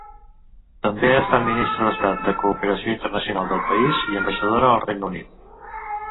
També ha estat Ministre d'Estat de Cooperació Internacional del país i ambaixadora al Regne Unit.